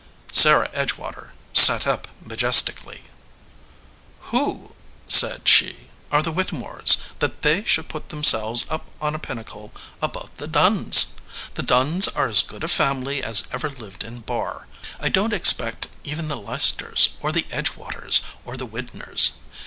Sarah Edgewater sat up majestically. "Who," said she, "are the Whittemores, that they should put themselves up on a pinnacle above the Dunns ? The Dunns are as good a family as ever lived in Barr. I don t except even the Leicesters, or the Edgewaters, or the Widners.